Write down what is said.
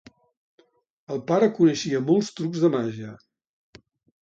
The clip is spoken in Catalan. El pare coneixia molts trucs de màgia.